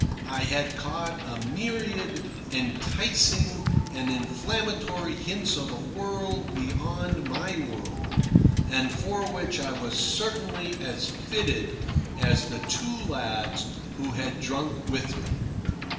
I had caught a myriad enticing and inflammatory hints of a world beyond my world, and for which I was certainly as fitted as the two lads who had drunk with me.